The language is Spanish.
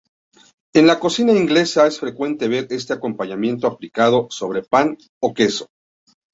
En la cocina inglesa es frecuente ver este acompañamiento aplicado sobre pan o queso.